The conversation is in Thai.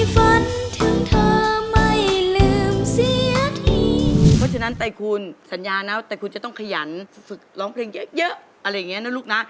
เพราะฉะนั้นไตรคุณสัญญานะว่าไตรคุณจะต้องขยันฝึกร้องเพลงเยอะอะไรอย่างนี้นะลูกนะ